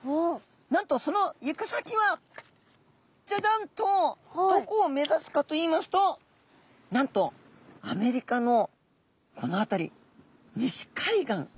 なんとその行く先はジャジャンとどこを目指すかといいますとなんとアメリカのこの辺り西海岸。